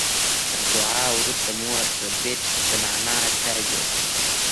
تر دعا وروسته مور ربیټ د نعنا چای جوړ کړ